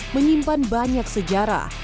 menyimpan banyak sejarah